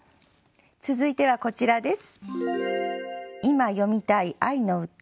続いてはこちらです。